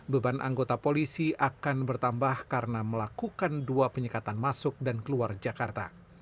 beban anggota polisi akan bertambah karena melakukan dua penyekatan masuk dan keluar jakarta